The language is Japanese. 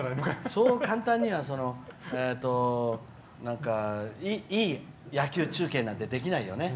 そう簡単にはいい野球中継なんてできないよね。